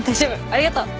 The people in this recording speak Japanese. ありがとう。